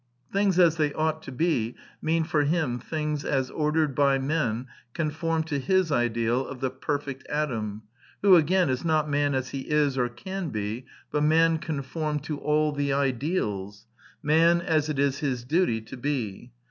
Things as they ought to be mean for him things as ordered by men conformed to his ideal of the perfect Adam, who, again, is not man as he is or can be, but man conformed to all the ideals : man as it id his duty to be.